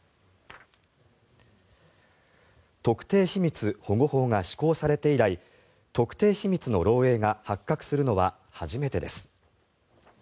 特定秘密保護法が施行されて以来特定秘密の漏えいが発覚するのは初めてです。